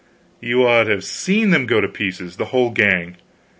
You ought to have seen them to go to pieces, the whole gang.